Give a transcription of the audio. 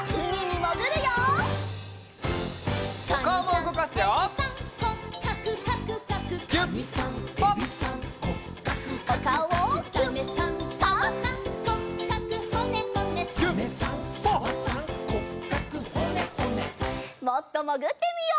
もっともぐってみよう。